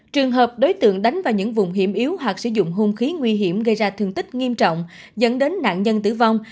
trường hợp đối tượng đánh vào những vùng hiểm yếu hoặc sử dụng hung khí nguy hiểm gây ra thương tích nghiêm trọng dẫn đến nạn nhân tử vong